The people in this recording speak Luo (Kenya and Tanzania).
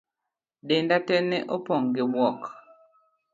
Denda tee ne opong' gi buok.